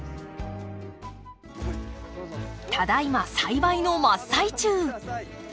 ただいま栽培の真っ最中。